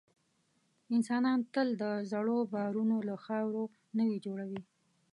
انسانان تل د زړو باورونو له خاورو نوي جوړوي.